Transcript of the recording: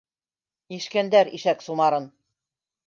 Ишкәндәр ишәк сумарын!